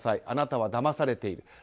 あなたはだまされている。